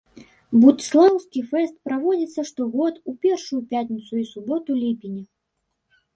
Будслаўскі фэст праводзіцца штогод у першую пятніцу і суботу ліпеня.